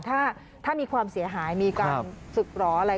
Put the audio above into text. ถ้ามีความเสียหายมีการศึกหรออะไร